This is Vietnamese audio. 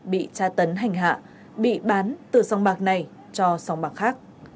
bị tra tấn hành hạ bị bán từ song bạc này cho song bạc khác